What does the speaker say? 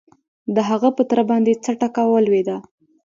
د هغه په تره باندې څه ټکه ولوېده؟